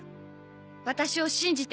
私を信じて。